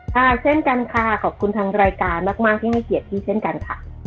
เช่นกันค่ะขอบคุณทางรายการมากที่ให้เกียรติพี่เช่นกันค่ะ